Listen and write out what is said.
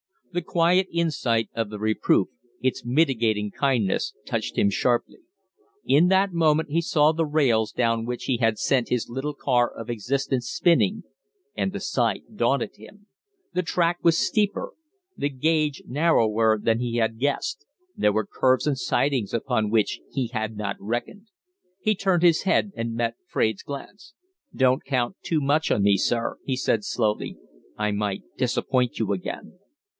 The quiet insight of the reproof, its mitigating kindness, touched him sharply. In that moment he saw the rails down which he had sent his little car of existence spinning, and the sight daunted him. The track was steeper, the gauge narrower, than he had guessed; there were curves and sidings upon which he had not reckoned. He turned his head and met Fraide's glance. "Don't count too much on me, sir," he said, slowly. "I might disappoint you again."